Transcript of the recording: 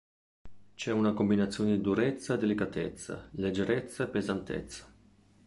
C'è una combinazione di durezza e delicatezza, leggerezza e pesantezza.